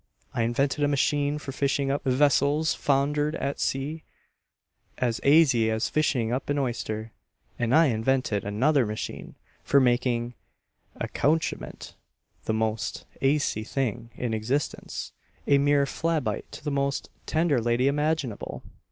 I invented a machine for fishing up vessels foundered at sea, as aisy as fishing up an oyster; and I invented another machine for making accouchement the most aisy thing in existence a mere fla bite to the most tender lady imaginable!